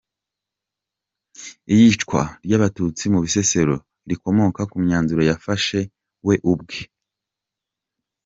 Iyicwa ry’Abatutsi mu Bisesero rikomoka ku myanzuro yafashe we ubwe.